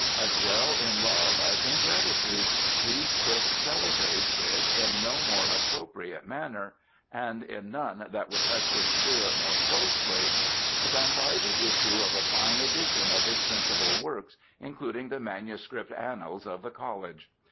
As well in love as in gratitude, we could celebrate it in no more appropriate manner. HARVEY 305 and in none that would touch his spirit more closely, than by the issue of a fine edition of his principal works (including the manuscript annals of the College).